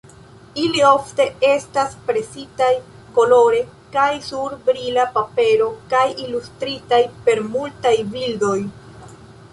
Ili ofte estas presitaj kolore kaj sur brila papero kaj ilustritaj per multaj bildoj.